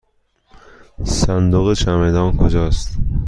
صندوق چمدان کجاست؟